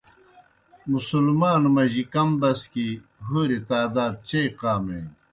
مسلمانو مجی کم بسکیْ ہوریْ تعداد چیئی قامے نیْ۔